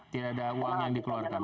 tidak ada uang yang dikeluarkan